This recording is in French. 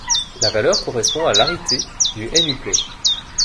La valeur correspond à l'arité du n-uplet.